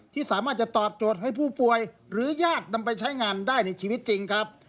ที่สามารถจะตอบโจทย์ให้ผู้ป่วยหรือญาตินำไปใช้งานได้ในชีวิตจริงครับ